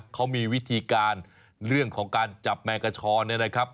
เขามีวิธีการเรื่องของการจับแมงกระชอนเนี่ยนะครับ